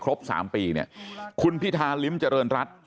๓ปีเนี่ยคุณพิธาลิ้มเจริญรัฐ